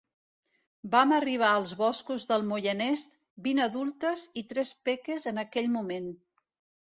Vam arribar als boscos del Moianès vint adultes i tres peques en aquell moment.